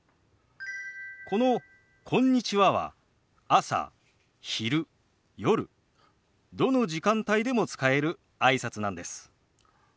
この「こんにちは」は朝昼夜どの時間帯でも使えるあいさつなんです。